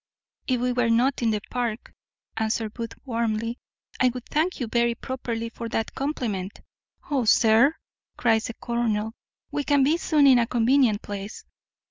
"If we were not in the Park," answered Booth warmly, "I would thank you very properly for that compliment." "O, sir," cries the colonel, "we can be soon in a convenient place."